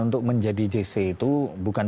untuk menjadi jc itu bukan